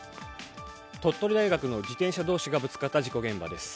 鳥取大学の自転車同士がぶつかった事故現場です。